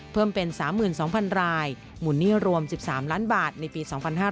เพิ่มเป็น๓๒๐๐๐รายมูลหนี้รวม๑๓ล้านบาทในปี๒๕๕๙